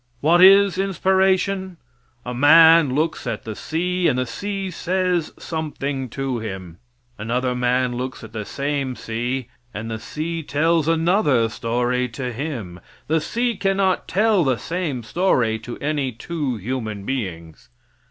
What is inspiration? A man looks at the sea, and the sea says something to him. Another man looks at the same sea, and the sea tells another story to him. The sea cannot tell the same story to any two human beings.